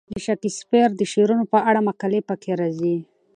د شکسپیر د شعرونو په اړه مقالې پکې راځي.